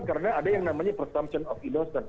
karena ada yang namanya presumption of innocence